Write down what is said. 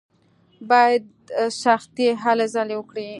بايد سختې هلې ځلې وکړو.